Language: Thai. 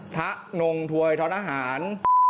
นงถวยท้อนอาหาร